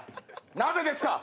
なぜですか？